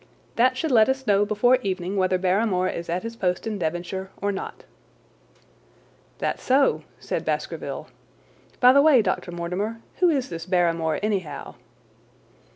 That should let us know before evening whether Barrymore is at his post in Devonshire or not." "That's so," said Baskerville. "By the way, Dr. Mortimer, who is this Barrymore, anyhow?"